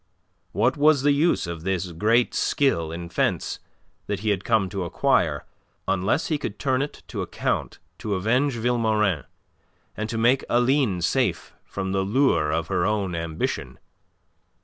What was the use of this great skill in fence that he had come to acquire, unless he could turn it to account to avenge Vilmorin, and to make Aline safe from the lure of her own ambition?